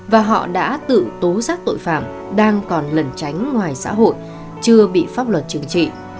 và họ đã tự tố giác tội phạm đang còn lần tránh ngoài xã hội chưa bị pháp luật trừng trị